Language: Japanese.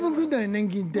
年金って。